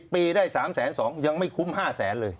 ปีได้๓๒๐๐ยังไม่คุ้ม๕แสนเลย